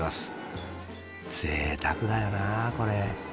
ぜいたくだよなあこれ。